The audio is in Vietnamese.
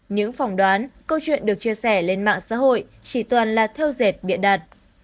những phòng đoán câu chuyện được chia sẻ lên mạng xã hội chỉ toàn là theo dệt biện đạt